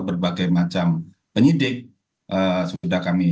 berbagai macam penyidik sudah kami